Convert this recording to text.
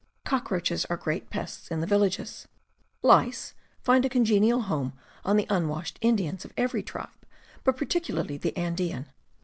Cockroaches are great pests in the villages. Lice find a congenial home on the unwashed Indians of every tribe, but particularly the Andean.